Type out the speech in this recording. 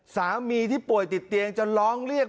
สามีที่ป่วยติดเตียงจะร้องเรียก